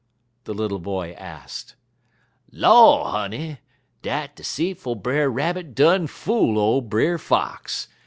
the little boy asked. "Law, honey! dat seetful Brer Rabbit done fool ole Brer Fox.